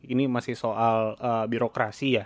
ini masih soal birokrasi ya